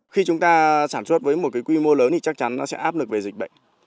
khi chúng ta sản xuất với một cái quy mô lớn thì chắc chắn nó sẽ áp lực về dịch bệnh